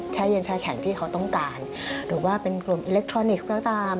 เย็นแช่แข็งที่เขาต้องการหรือว่าเป็นกลุ่มอิเล็กทรอนิกส์ก็ตาม